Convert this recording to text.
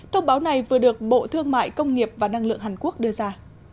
thông báo này vừa được bộ thương mại công nghiệp và năng lượng hàn quốc đưa ra